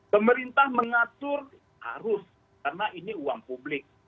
pemerintah mengatur harus karena ini uang publik